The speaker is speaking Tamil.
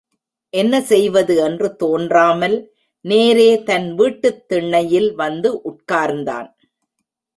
என்ன செய்வது என்று தோன்றாமல் நேரே தன் வீட்டுத் திண்ணையில் வந்து உட்கார்ந்தான்.